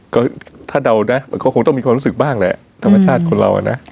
ก็ถ้าเดานะมันก็คงต้องมีความรู้สึกบ้างแหละธรรมชาติคนเราอ่ะนะ